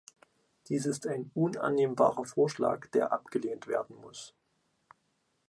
Dies ist ein unannehmbarer Vorschlag, der abgelehnt werden muss.